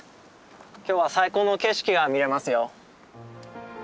今日は最高の景色が見れますよ。